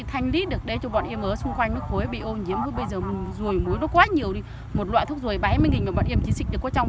huyện quảng xương